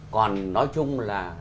còn nói chung là